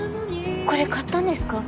これ買ったんですか？